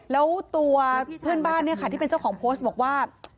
แล้วตัวเพื่อนบ้านเนี่ยค่ะที่เป็นเจ้าของโพสต์บอกว่า